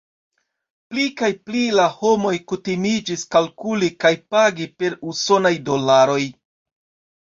Pli kaj pli la homoj kutimiĝis kalkuli kaj pagi per usonaj dolaroj.